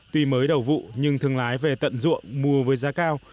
tuy mới đầu vụ nhưng thương lái về tận ruộng mua với giá cao